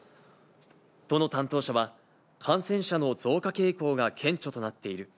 都の担当者は、感染者の増加傾向が顕著となっている。